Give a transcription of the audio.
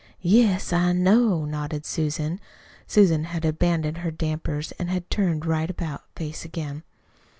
"Yes, I know," nodded Susan. Susan had abandoned her dampers, and had turned right about face again.